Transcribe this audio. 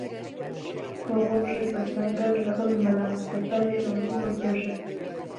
ڕۆژێک لە سەنگەر لەگەڵ مەلا مستەفا لێمان بوو بە کێشە